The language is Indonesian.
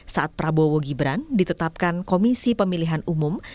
saat prabowo gibran ditetapkan komisi pemilihan umum